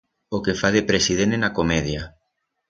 O que fa de president en a comedia.